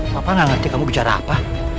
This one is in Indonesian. bapak gak ngerti kamu bicara apa